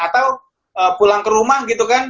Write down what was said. atau pulang ke rumah gitu kan